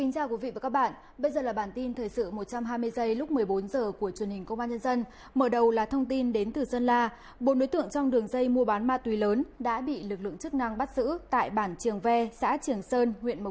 các bạn hãy đăng ký kênh để ủng hộ kênh của chúng mình nhé